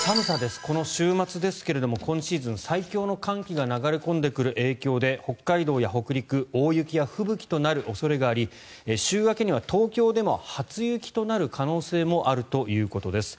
この週末ですが今シーズン最強の寒気が流れ込んでくる影響で北海道や北陸大雪や吹雪となる恐れがあり週明けには東京でも初雪となる可能性もあるということです。